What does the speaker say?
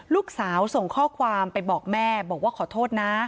ลูกสาวส่งข้อความไปบอกแม่บอกว่าขอโทษนะ